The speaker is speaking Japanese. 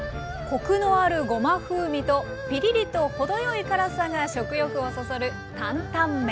コクのあるごま風味とピリリと程よい辛さが食欲をそそる担々麺。